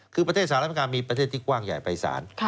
คือประเทศศาสตร์และภิการมีประเทศที่กว้างใหญ่ไปสาน